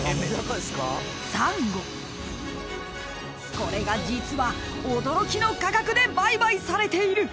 ［これが実は驚きの価格で売買されている］